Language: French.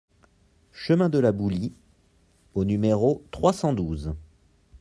Chemin de la Boulie au numéro trois cent douze